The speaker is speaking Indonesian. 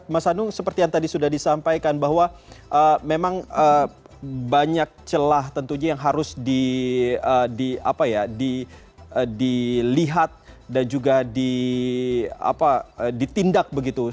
mas hanu seperti yang tadi sudah disampaikan bahwa memang banyak celah tentunya yang harus di lihat dan juga di tindak begitu